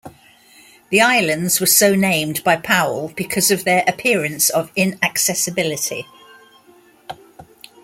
The islands were so named by Powell because of their appearance of inaccessibility.